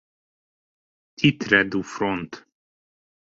Titre du front.